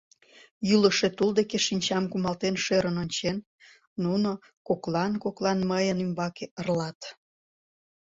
йӱлышӧ тул деке шинчам кумалтен шӧрын ончен, нуно коклан-коклан мыйын ӱмбаке ырлат;